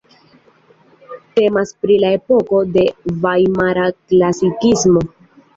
Temas pri la epoko de Vajmara klasikismo.